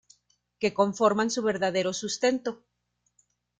que conforman su verdadero sustento